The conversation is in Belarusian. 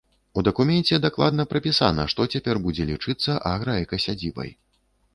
У дакуменце дакладна прапісана, што цяпер будзе лічыцца аграэкасядзібай.